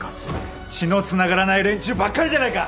血のつながらない連中ばっかりじゃないか！